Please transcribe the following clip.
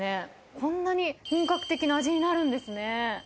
こんなに本格的な味になるんですね。